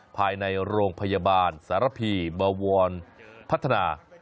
ภายในโรงพยาบาลสารพีบวรพัฒนา